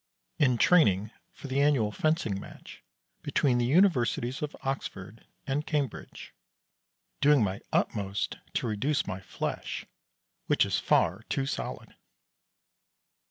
In training for the annual fencing match between the Universities of Oxford and Cambridge. Doing my utmost to reduce my flesh which is far too solid.